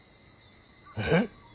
えっ。